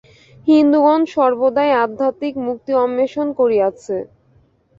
হিন্দুগণ সর্বদাই আধ্যাত্মিক মুক্তি অন্বেষণ করিয়াছে।